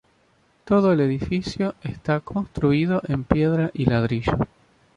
Todo el edificio está construido en piedra y ladrillo.